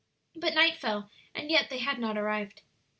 But night fell, and yet they had not arrived.